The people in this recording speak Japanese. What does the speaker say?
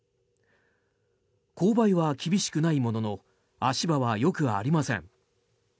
勾配は厳しくないものの足場はよくありません。